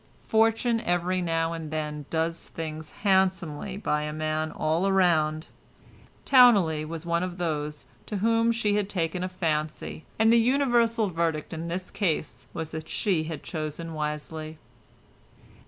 Fortune every now and then does things handsomely by a man all round; Towneley was one of those to whom she had taken a fancy, and the universal verdict in this case was that she had chosen wisely.